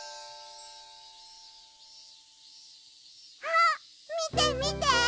あっみてみて！